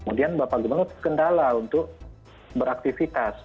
kemudian bapak gubernur terkendala untuk beraktifitas